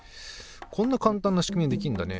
こんな簡単な仕組みでできんだね。